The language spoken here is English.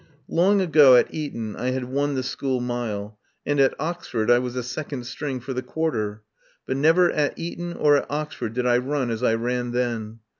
Long ago at Eton I had won the school mile, and at Oxford I was a second string for the quarter. But never at Eton or at Oxford did I run as I ran then.